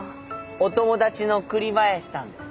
お友達の栗林さんです。